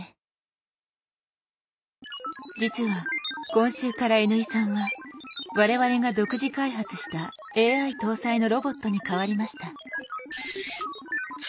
実は今週からＮ井さんは我々が独自開発したＡＩ搭載のロボットに代わりました。